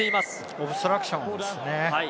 オブストラクションですね。